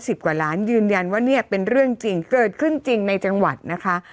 กว่าล้านยืนยันว่าเนี่ยเป็นเรื่องจริงเกิดขึ้นจริงในจังหวัดนะคะ